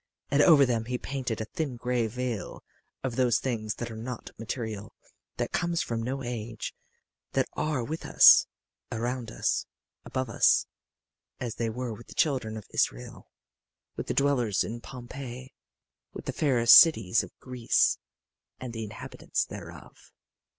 And over them he painted a thin gray veil of those things that are not material, that come from no age, that are with us, around us, above us as they were with the children of Israel, with the dwellers in Pompeii, with the fair cities of Greece and the inhabitants thereof.